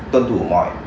tuân thủ mọi